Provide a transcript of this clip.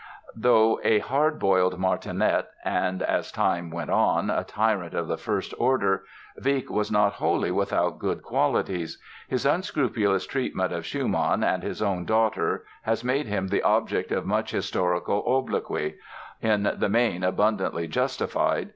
Though a hard boiled martinet and, as time went on, a tyrant of the first order, Wieck was not wholly without good qualities. His unscrupulous treatment of Schumann and his own daughter has made him the object of much historical obloquy, in the main abundantly justified.